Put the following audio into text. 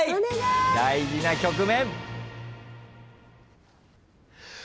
大事な局面。